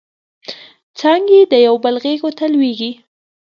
څانګې د یوبل غیږو ته لویږي